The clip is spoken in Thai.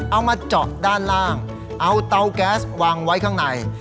เอามาเจาะด้านล่างเอาเตาแก๊สวางไว้ข้างใน